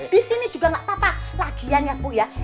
di sini juga gak papa lagian ya bu ya